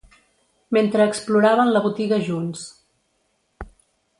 Mentre exploraven la botiga junts.